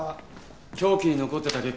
凶器に残ってた血痕